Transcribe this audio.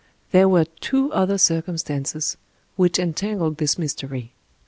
There were two other circumstances which entangled this mystery.